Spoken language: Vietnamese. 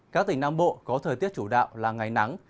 các tỉnh nam bộ có thời tiết chủ đạo là ngày nắng